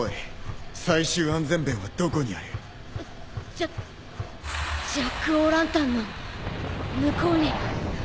ジャジャックオーランタンの向こうに。